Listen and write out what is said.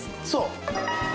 そう。